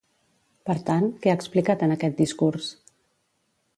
Per tant, què ha explicat en aquest discurs?